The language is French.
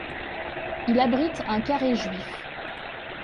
Il abrite un carré juif.